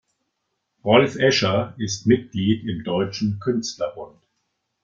Rolf Escher ist Mitglied im Deutschen Künstlerbund.